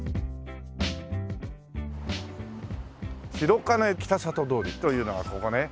白金北里通りというのはここね。